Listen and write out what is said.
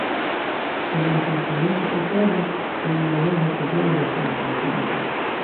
Solena Sankta Meso okazis en la nova preĝejo de Sankta Spirito.